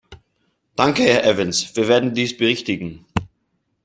Danke, Herr Evans, wir werden dies berichtigen.